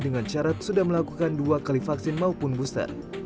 dengan syarat sudah melakukan dua kali vaksin maupun booster